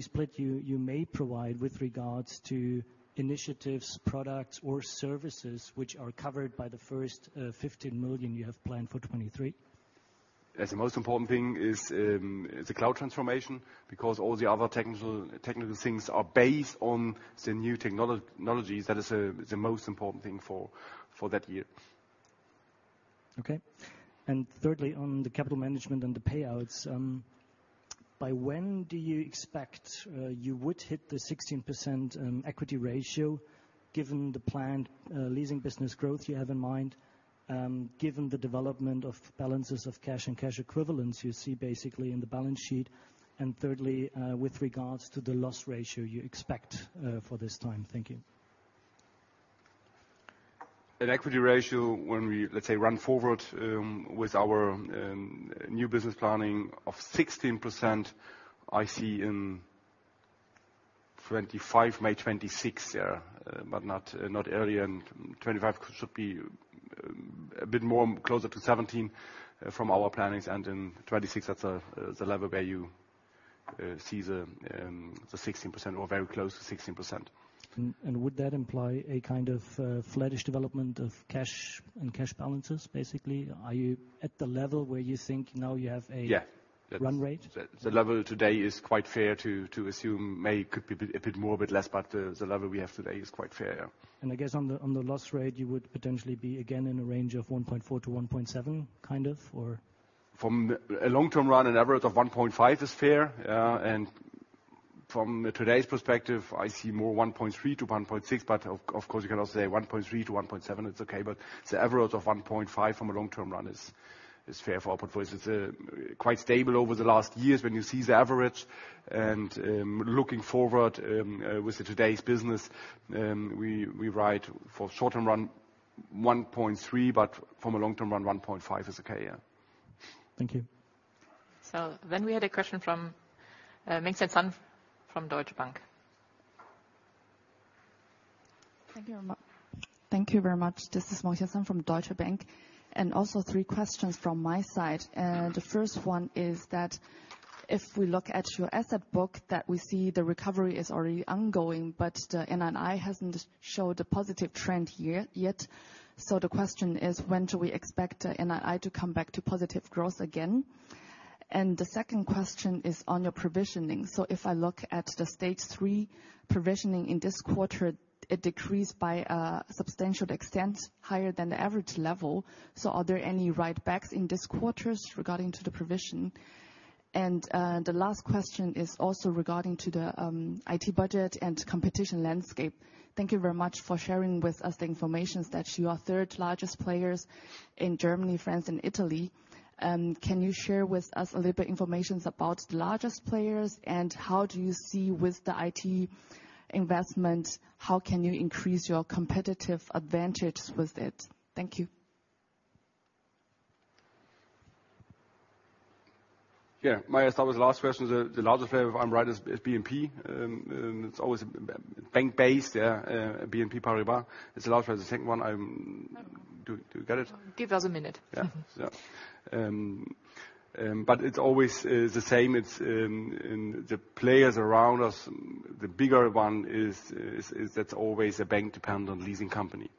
split you may provide with regards to initiatives, products or services which are covered by the first, 15 million you have planned for 2023? The most important thing is the cloud transformation because all the other technical things are based on the new technologies. That is the most important thing for that year. Okay. Thirdly, on the capital management and the payouts, by when do you expect you would hit the 16% equity ratio given the planned leasing business growth you have in mind, given the development of balances of cash and cash equivalents you see basically in the balance sheet, and thirdly, with regards to the loss ratio you expect for this time? Thank you. An equity ratio when we, let's say, run forward, with our new business planning of 16%, I see in 2025, May 2026, yeah, but not earlier. 2025 should be a bit more closer to 17% from our plannings and in 2026 that's the level where you see the 16% or very close to 16%. Would that imply a kind of flattish development of cash and cash balances, basically? Are you at the level where you think now you have? Yeah. Run rate? The level today is quite fair to assume could be a bit more, a bit less, but the level we have today is quite fair, yeah. I guess on the loss rate, you would potentially be again in a range of 1.4%-1.7%, kind of or? From a long-term run, an average of 1.5% is fair. From today's perspective, I see more 1.3%-1.6%, but of course you can also say 1.3%-1.7%, it's okay. The average of 1.5% from a long-term run is fair for our portfolio. It's quite stable over the last years when you see the average. Looking forward, with today's business, we ride for short-term run 1.3%, from a long-term run, 1.5% is okay, yeah. Thank you. We had a question from Mengxian Sun from Deutsche Bank. Thank you very much. This is Mengxian Sun from Deutsche Bank. Also three questions from my side. The first one is that if we look at your asset book that we see the recovery is already ongoing, the NNI hasn't showed a positive trend here yet. The question is when do we expect NNI to come back to positive growth again? The second question is on your provisioning. If I look at the stage three provisioning in this quarter, it decreased by a substantial extent higher than the average level. Are there any write-backs in this quarters regarding to the provision? The last question is also regarding to the IT budget and competition landscape. Thank you very much for sharing with us the informations that you are third largest players in Germany, France and Italy. Can you share with us a little bit information about the largest players and how do you see with the IT investment, how can you increase your competitive advantage with it? Thank you. Yeah. I start with the last question. The largest player, if I'm right, is BNP. It's always bank based. Yeah, BNP Paribas is the largest. The second one, I'm... Do you get it? Give us a minute. It's always the same. It's the players around us, the bigger one is that's always a bank-dependent leasing company.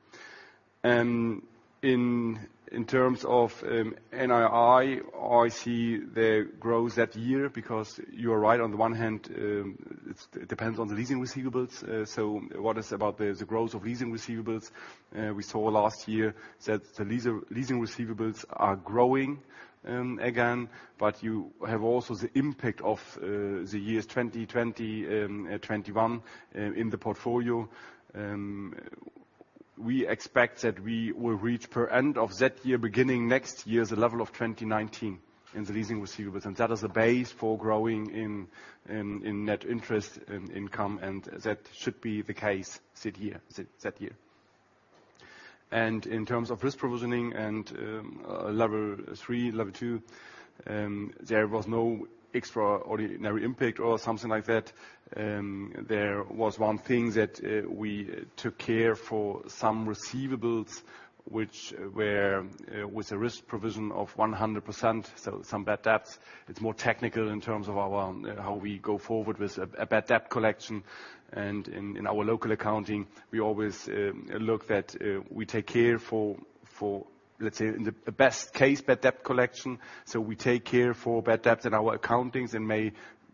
In terms of NII, I see the growth that year because you are right on the one hand, it depends on the leasing receivables. What is about the growth of leasing receivables, we saw last year that the leasing receivables are growing again, but you have also the impact of the years 2020-2021 in the portfolio. We expect that we will reach per end of that year, beginning next year, the level of 2019 in the leasing receivables, and that is a base for growing in net interest income, and that should be the case that year. In terms of risk provisioning and level three, level two, there was no extraordinary impact or something like that. There was one thing that we took care for some receivables which were with a risk provision of 100%, so some bad debts. It's more technical in terms of our how we go forward with a bad debt collection. In our local accounting, we always look that we take care for let's say in the best-case bad debt collection. We take care for bad debts in our accountings and may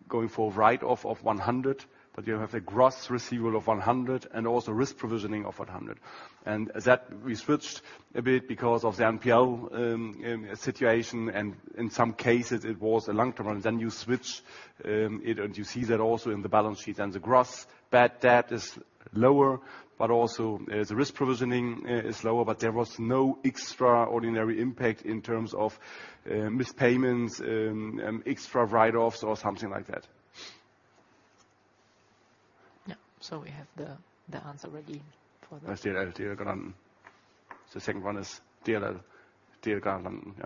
going for write-off of 100, but you have a gross receivable of 100 and also risk provisioning of 100. That we switched a bit because of the NPL situation, and in some cases it was a long term, and then you switch it. You see that also in the balance sheet and the gross bad debt is lower, but also the risk provisioning is lower. There was no extraordinary impact in terms of missed payments and extra write-offs or something like that. Yeah. We have the answer ready for that. That's DLL De Lage Landen. The second one is DLL De Lage Landen, yeah.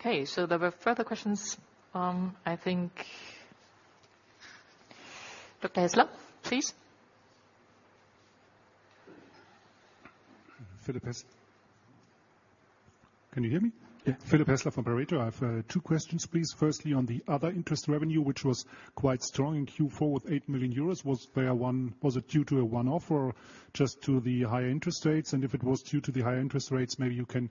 Okay. There were further questions from, I think, Dr. Häßler, please. Philip Häßler. Can you hear me? Yeah. Philip Hessler from Pareto. I have two questions, please. Firstly, on the other interest revenue, which was quite strong in Q4 with 8 million euros. Was it due to a one-off or just to the higher interest rates? If it was due to the higher interest rates, maybe you can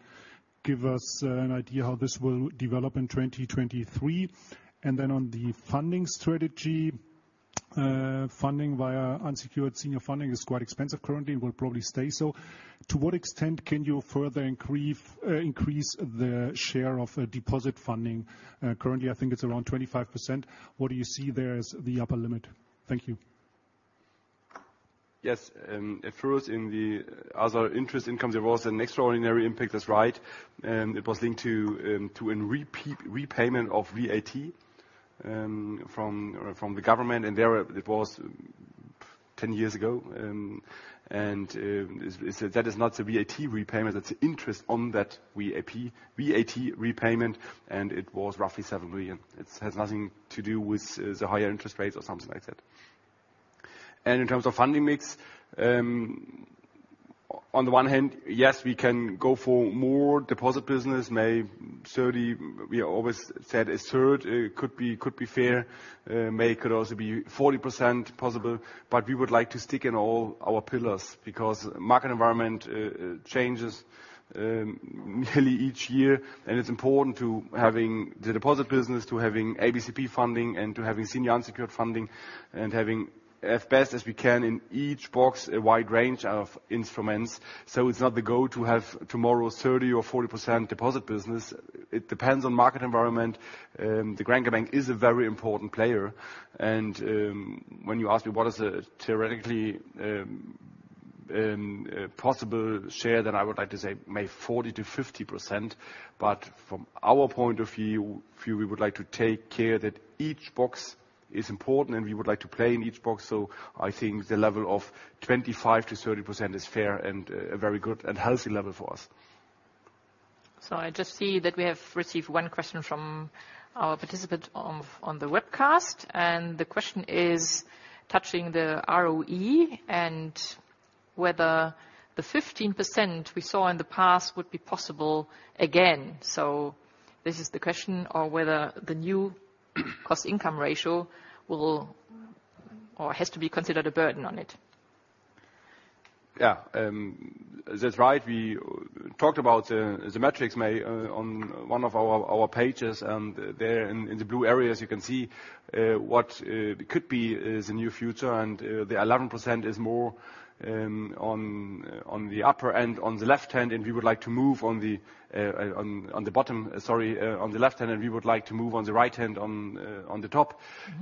give us an idea how this will develop in 2023. On the funding strategy, funding via unsecured senior funding is quite expensive currently and will probably stay so. To what extent can you further increase the share of deposit funding? Currently I think it's around 25%. What do you see there as the upper limit? Thank you. Yes. At first in the other interest income, there was an extraordinary impact. That's right. It was linked to a repayment of VAT from the government. There it was 10 years ago. That is not the VAT repayment, it's interest on that VAT repayment, and it was roughly 7 million. It has nothing to do with the higher interest rates or something like that. In terms of funding mix, on the one hand, yes, we can go for more deposit business, may 30%. We always said a third could be fair, may could also be 40% possible. We would like to stick in all our pillars because market environment changes nearly each year. It's important to having the deposit business, to having ABCP funding, and to having senior unsecured funding, and having as best as we can in each box, a wide range of instruments. It's not the goal to have tomorrow 30% or 40% deposit business. It depends on market environment. The Grenke Bank is a very important player. When you ask me what is a theoretically possible share, then I would like to say may 40%-50%. From our point of view, we would like to take care that each box is important and we would like to play in each box. I think the level of 25%-30% is fair and a very good and healthy level for us. I just see that we have received one question from our participant on the webcast, and the question is touching the ROE and whether the 15% we saw in the past would be possible again. This is the question on whether the new cost income ratio will or has to be considered a burden on it. Yeah, that's right. We talked about the metrics on one of our pages, and there in the blue areas, you can see what could be the new future. The 11% is more on the upper end, on the left hand, and we would like to move on the bottom. Sorry, on the left hand, and we would like to move on the right hand on the top.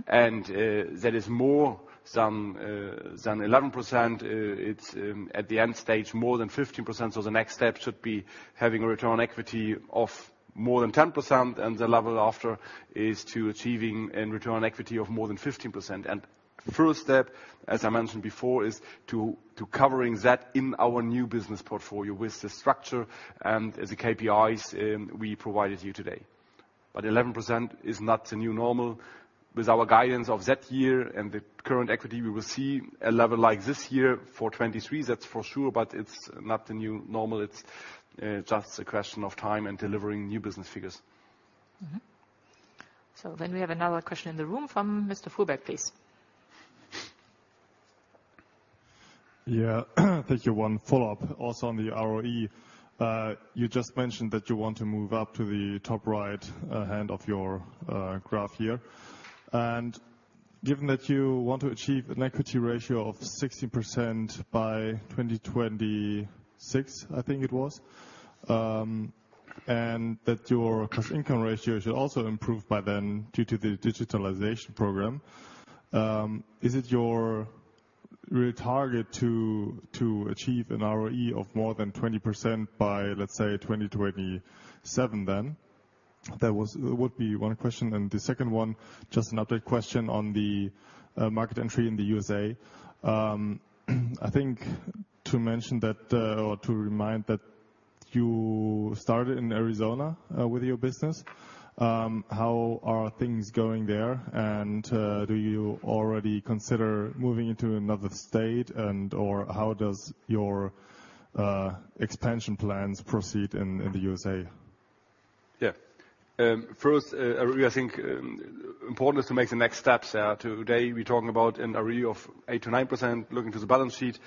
Mm-hmm. There is more than 11%. It's at the end stage, more than 15%. The next step should be having a return on equity of more than 10%, and the level after is to achieving a return on equity of more than 15%. First step, as I mentioned before, is to covering that in our new business portfolio with the structure and the KPIs we provided you today. 11% is not the new normal. With our guidance of that year and the current equity, we will see a level like this year for 2023, that's for sure, but it's not the new normal. It's just a question of time and delivering new business figures. Mm-hmm. We have another question in the room from Mr. Fuhrberg, please. Yeah. Thank you. One follow-up also on the ROE. You just mentioned that you want to move up to the top right hand of your graph here. Given that you want to achieve an equity ratio of 60% by 2026, I think it was, and that your cost income ratio should also improve by then due to the digitalization program, is it your real target to achieve an ROE of more than 20% by, let's say, 2027 then? That would be one question. The second one, just an update question on the market entry in the USA. I think to mention that, or to remind that you started in Arizona with your business. How are things going there? Do you already consider moving into another state and, or how does your, expansion plans proceed in the USA? First, I think important is to make the next steps. Today, we're talking about an ROE of 8%-9% looking to the balance sheet.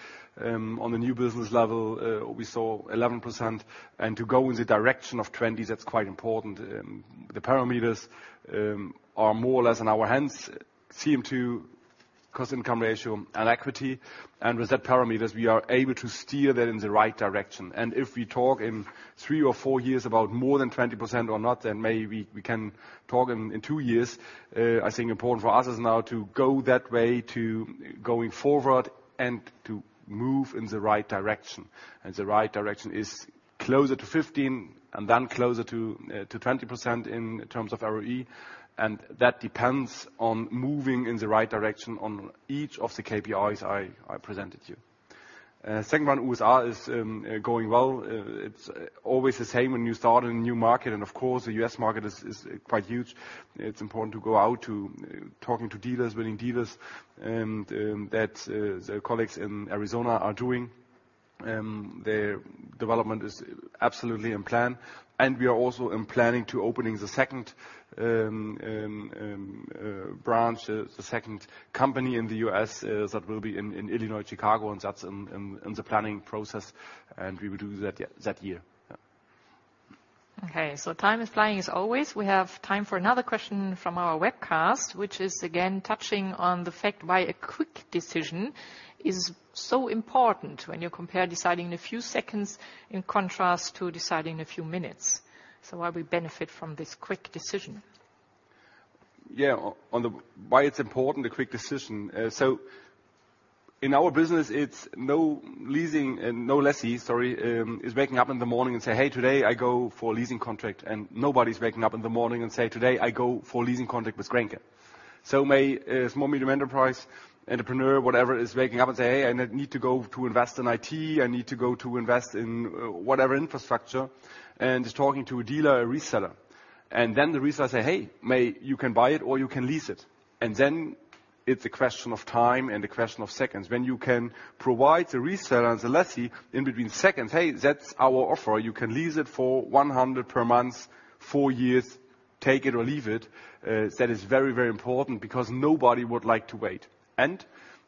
On the new business level, we saw 11%. To go in the direction of 20, that's quite important. The parameters are more or less in our hands. CM2 Cost income ratio and equity. With that parameters, we are able to steer that in the right direction. If we talk in three or four years about more than 20% or not, then maybe we can talk in two years. I think important for us is now to go that way to going forward and to move in the right direction. The right direction is closer to 15% and then closer to 20% in terms of ROE, and that depends on moving in the right direction on each of the KPIs I presented you. Second one, USA is going well. It's always the same when you start a new market, and of course, the U.S. market is quite huge. It's important to go out to talking to dealers, winning dealers, and that's the colleagues in Arizona are doing. Their development is absolutely in plan, and we are also in planning to opening the second branch. The second company in the U.S. that will be in Illinois, Chicago, and that's in the planning process, and we will do that year. Okay. Time is flying as always. We have time for another question from our webcast, which is again touching on the fact why a quick decision is so important when you compare deciding in a few seconds in contrast to deciding in a few minutes. Why we benefit from this quick decision. Why it's important, the quick decision. In our business, it's no leasing, no lessee, sorry, is waking up in the morning and say, "Hey, today I go for a leasing contract." Nobody's waking up in the morning and say, "Today I go for a leasing contract with GRENKE." May a small, medium enterprise entrepreneur, whatever, is waking up and say, "Hey, I need to go to invest in IT. I need to go to invest in whatever infrastructure," and is talking to a dealer, a reseller. The reseller say, "Hey, you can buy it or you can lease it." It's a question of time and a question of seconds. When you can provide the reseller and the lessee in between seconds, "Hey, that's our offer. You can lease it for 100 per month, four years, take it or leave it." That is very, very important because nobody would like to wait.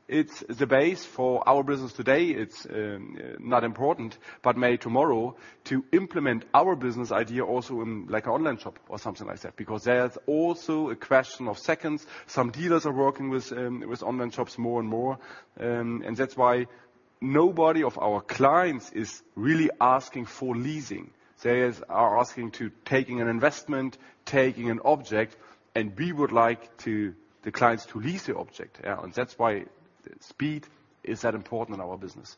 It's the base for our business today. It's not important but may tomorrow to implement our business idea also in like online shop or something like that, because that's also a question of seconds. Some dealers are working with online shops more and more, that's why nobody of our clients is really asking for leasing. They are asking to taking an investment, taking an object, and we would like the clients to lease the object. Yeah. That's why speed is that important in our business.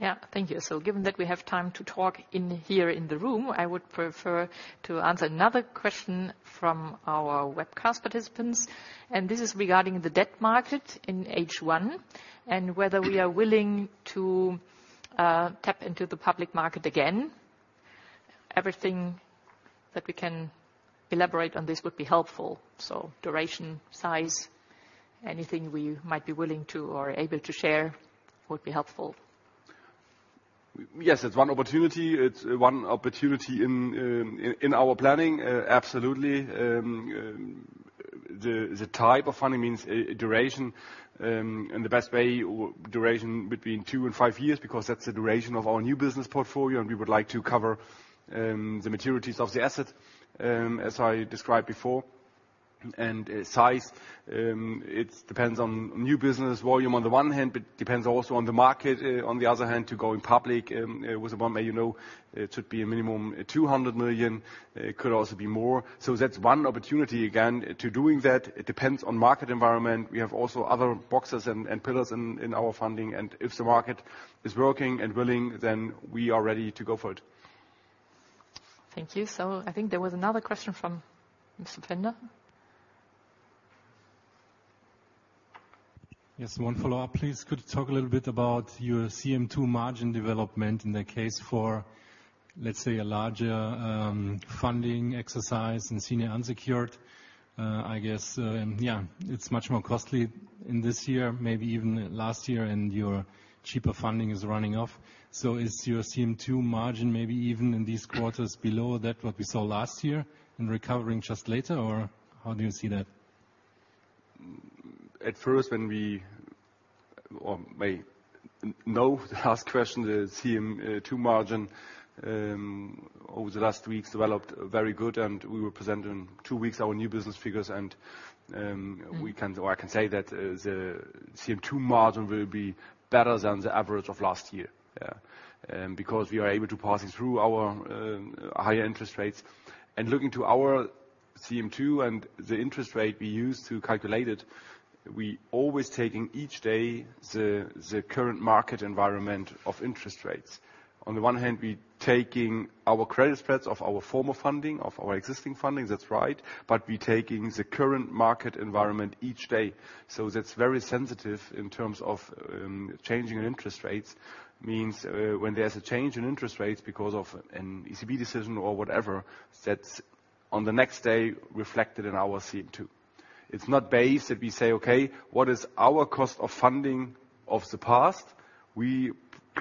Yeah. Thank you. Given that we have time to talk in here in the room, I would prefer to answer another question from our webcast participants. This is regarding the debt market in H1. Whether we are willing to tap into the public market again. Everything that we can elaborate on this would be helpful. Duration, size, anything we might be willing to or able to share would be helpful. Yes, it's one opportunity. It's one opportunity in our planning, absolutely. The type of funding means, duration, and the best way duration between two and five years because that's the duration of our new business portfolio and we would like to cover the maturities of the asset as I described before. Size, it's depends on new business volume on the one hand, but depends also on the market on the other hand, to going public with about, may you know, it should be a minimum 200 million, it could also be more. That's one opportunity, again, to doing that. It depends on market environment. We have also other boxes and pillars in our funding. If the market is working and willing, then we are ready to go for it. Thank you. I think there was another question from Mr. Pfänder. Yes, one follow-up, please. Could you talk a little bit about your CM2 margin development in the case for, let's say, a larger funding exercise in senior unsecured? I guess, yeah, it's much more costly in this year, maybe even last year, and your cheaper funding is running off. Is your CM2 margin maybe even in these quarters below that what we saw last year and recovering just later, or how do you see that? The last question, the CM2 margin over the last weeks developed very good, and we will present in two weeks our new business figures, and we can or I can say that the CM2 margin will be better than the average of last year. Because we are able to pass through our higher interest rates. Looking to our CM2 and the interest rate we use to calculate it, we always taking each day the current market environment of interest rates. On the one hand, we taking our credit spreads of our former funding, of our existing funding, that's right. We taking the current market environment each day. That's very sensitive in terms of changing interest rates, means when there's a change in interest rates because of an ECB decision or whatever, that's on the next day reflected in our CM2. It's not based if we say, "Okay, what is our cost of funding of the past?" We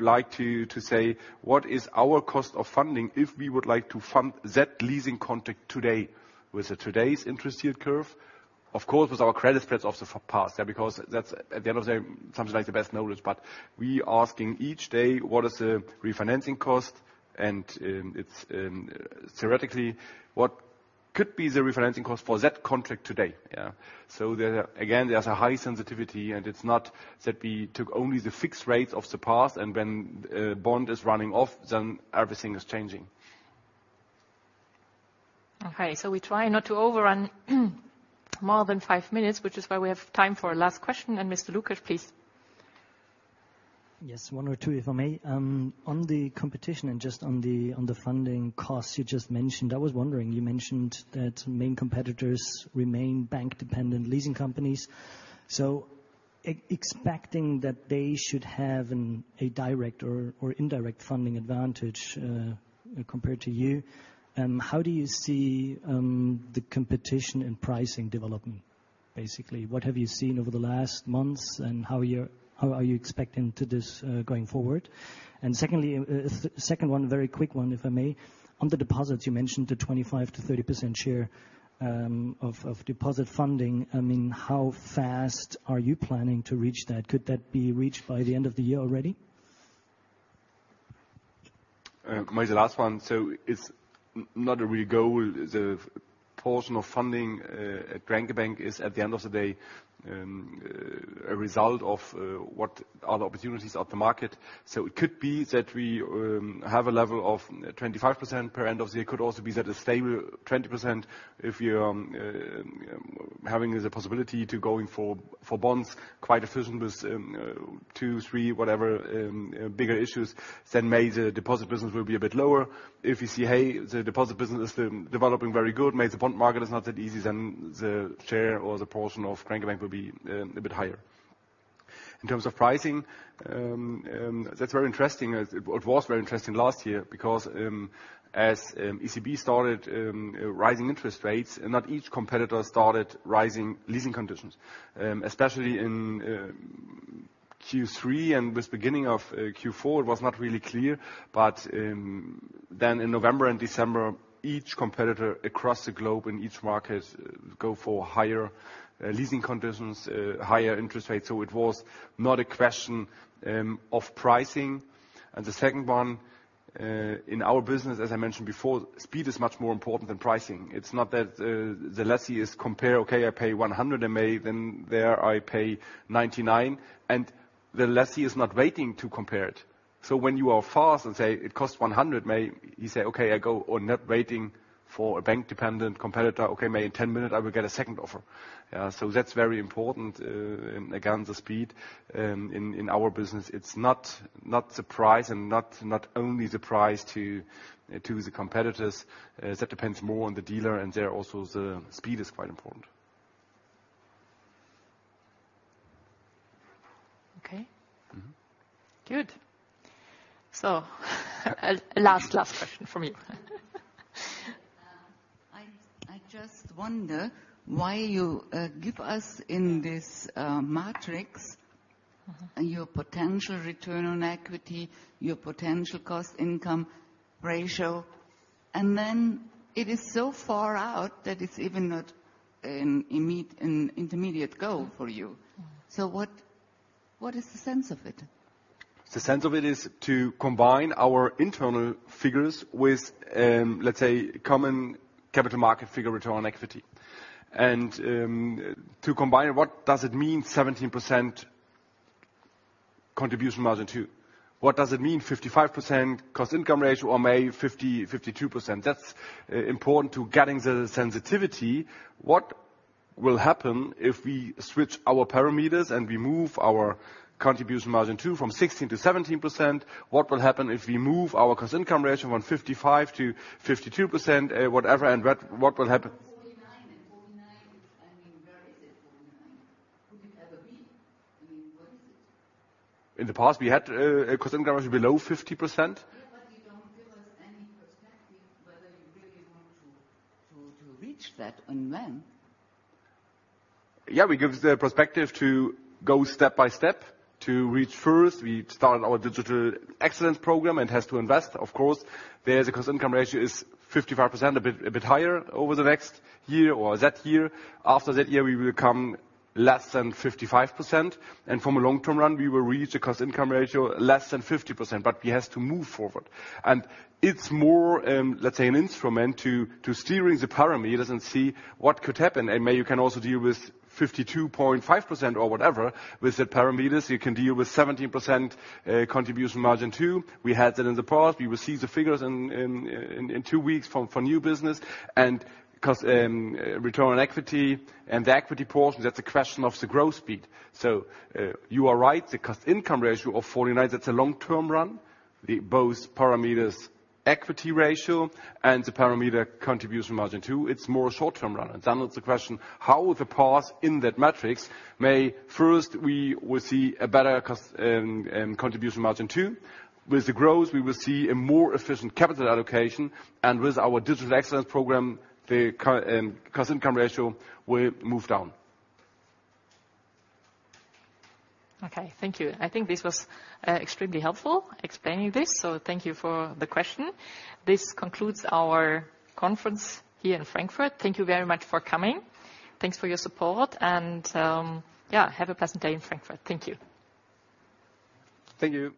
like to say, "What is our cost of funding if we would like to fund that leasing contract today with today's interest yield curve?" Of course, with our credit spreads of the past, because that's, at the end of the day, something like the best knowledge. We asking each day, what is the refinancing cost? It's theoretically what could be the refinancing cost for that contract today. There, again, there's a high sensitivity, and it's not that we took only the fixed rate of the past, and when, bond is running off, then everything is changing. Okay, we try not to overrun more than five minutes, which is why we have time for a last question, and Mr. Lukesch, please. Yes, one or two if I may. On the competition and just on the, on the funding costs you just mentioned, I was wondering, you've mentioned that main competitors remain bank-dependent leasing companies. Expecting that they should have a direct or indirect funding advantage compared to you, how do you see the competition and pricing development, basically? What have you seen over the last months, how are you expecting to this going forward? Secondly, second one, very quick one if I may. On the deposits, you mentioned a 25%-30% share of deposit funding. I mean, how fast are you planning to reach that? Could that be reached by the end of the year already? Maybe the last one. It's not a real goal. The portion of funding at Grenke Bank is, at the end of the day, a result of what are the opportunities of the market. It could be that we have a level of 25% per end of the year. It could also be that a stable 20% if you're having the possibility to going for bonds quite efficient with two, three, whatever, bigger issues, then maybe the deposit business will be a bit lower. If you see, hey, the deposit business is developing very good, maybe the bond market is not that easy, then the share or the portion of Grenke Bank will be a bit higher. In terms of pricing, that's very interesting. It was very interesting last year because as ECB started rising interest rates, not each competitor started raising leasing conditions. Especially in Q3 and with beginning of Q4, it was not really clear. Then in November and December, each competitor across the globe in each market go for higher leasing conditions, higher interest rates, so it was not a question of pricing. The second one in our business, as I mentioned before, speed is much more important than pricing. It's not that the lessee is compare, "Okay, I pay 100 in May, then there I pay 99." The lessee is not waiting to compare it. When you are fast and say, "It costs 100," maybe you say, "Okay, I go," or not waiting for a bank-dependent competitor, "Okay, maybe in 10 minutes I will get a second offer." That's very important, again, the speed, in our business. It's not the price and not only the price to the competitors. That depends more on the dealer, and there also the speed is quite important. Okay. Mm-hmm. Good. Last question from you. I just wonder why you give us in this matrix- Mm-hmm... your potential return on equity, your potential cost income ratio, it is so far out that it's even not an intermediate goal for you. Mm-hmm. What is the sense of it? The sense of it is to combine our internal figures with, let's say, common capital market figure Return on Equity. To combine it, what does it mean 17% CM2? What does it mean 55% Cost Income Ratio or maybe 50%-52%? That's important to getting the sensitivity. What will happen if we switch our parameters and we move our CM2 from 16%-17%? What will happen if we move our Cost Income Ratio from 55%-52%, whatever, and what will happen- In the past, we had, a cost income ratio below 50%. to reach that and when. Yeah, we give the perspective to go step by step. To reach first, we start our Digital Excellence program. It has to invest, of course. There the cost income ratio is 55%, a bit higher over the next year or that year. After that year, we will come less than 55%. From a long-term run, we will reach a cost income ratio less than 50%, but we have to move forward. It's more, let's say an instrument to steering the parameters and see what could happen. Maybe you can also deal with 52.5% or whatever. With the parameters, you can deal with 17% Contribution Margin 2. We had that in the past. We will see the figures in two weeks for new business. Cost return on equity and the equity portion, that's a question of the growth speed. You are right, the cost income ratio of 49, that's a long-term run. The both parameters, equity ratio and the parameter Contribution Margin 2, it's more short-term run. It's a question, how the path in that matrix may first we will see a better cost Contribution Margin 2. With the growth, we will see a more efficient capital allocation. With our digital excellence program, the cost income ratio will move down. Okay, thank you. I think this was extremely helpful explaining this. Thank you for the question. This concludes our conference here in Frankfurt. Thank you very much for coming. Thanks for your support. Yeah, have a pleasant day in Frankfurt. Thank you. Thank you.